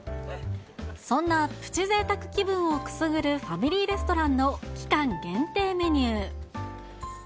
そんなプチぜいたく気分をくすぐるファミリーレストランの期間限定メニュー。